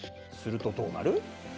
するとどうなる？